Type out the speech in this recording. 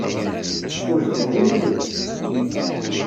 Teswejdeḍ iman-ik?